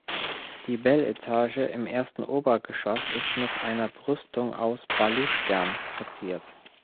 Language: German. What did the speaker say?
Die Beletage im ersten Obergeschoss ist mit einer Brüstung aus Balustern verziert.